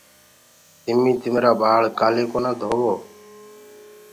تمي تمرآ ٻآݪ ڪآلي ڪونآ ڌنٚورآ۔